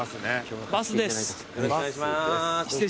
よろしくお願いします。